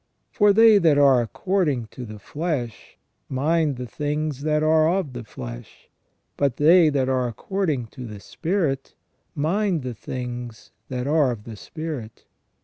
... For they that are according to the flesh, mind the things that are of the flesh ; but they that are according to the spirit, mind the things that are of the spirit.